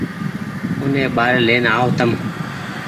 اوني ٻآري لين آئو تم